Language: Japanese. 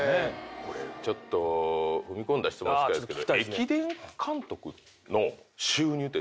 これちょっと踏み込んだ質問したいんですけど。